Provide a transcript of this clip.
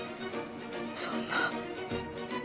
そんな。